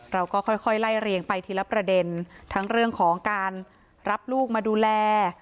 เราก็ค่อยไล่เรียงไปทีละประเด็นทั้งเรื่องของการรับลูกมาดูแล